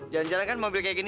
jalan jalan kan mobil kayak gini